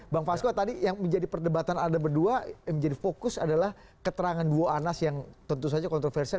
bang fasko tadi yang menjadi perdebatan anda berdua yang menjadi fokus adalah keterangan duo anas yang tentu saja kontroversial